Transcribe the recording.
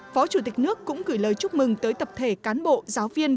phó chủ tịch nước cũng gửi lời chúc mừng tới tập thể cán bộ giáo viên